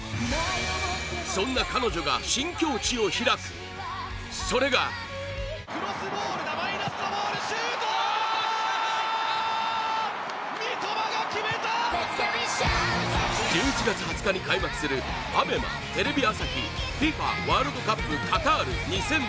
そんな彼女が新境地を開くそれが１１月２０日に開幕するＡＢＥＭＡ・テレビ朝日ＦＩＦＡワールドカップカタール２０２２